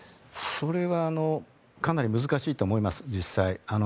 それはかなり難しいと思います、実際。